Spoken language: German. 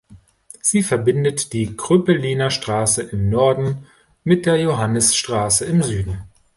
Sie verbindet die Kröpeliner Straße im Norden mit der Johannisstraße im Süden.